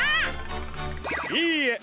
いいえ。